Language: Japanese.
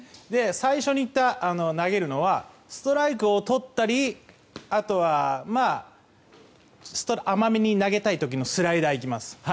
最初に言った投げるのはストライクをとったり甘めに投げたい時のスライダーをいきます。